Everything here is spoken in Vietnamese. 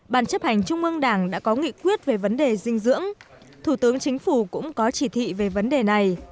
ban chấp hành trung ương đảng đã có nghị quyết về vấn đề dinh dưỡng thủ tướng chính phủ cũng có chỉ thị về vấn đề này